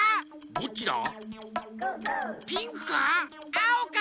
どっちだ？